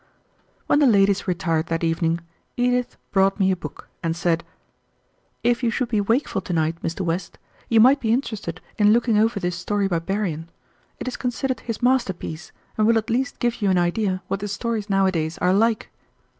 When the ladies retired that evening, Edith brought me a book and said: "If you should be wakeful to night, Mr. West, you might be interested in looking over this story by Berrian. It is considered his masterpiece, and will at least give you an idea what the stories nowadays are like."